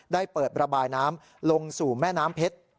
ได้เปิดระบายน้ำลงสู่แม่น้ำเพชร